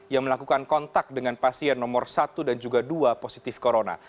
yang melakukan kontak dengan pasien nomor satu dan juga dua positif corona